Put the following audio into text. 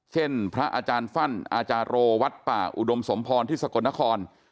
เช่นพระอาจารย์ฟั่นอาจารย์โรวัดป่าอุดมสมพรที่สกลนคร